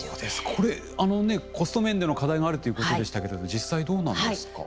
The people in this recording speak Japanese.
これコスト面での課題があるということでしたけど実際どうなんですか？